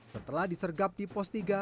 setelah disergap di pos tiga